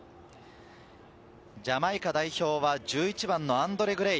ジャマイカ代表は１１番のアンドレ・グレイ。